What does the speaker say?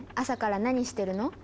朝から何してるの？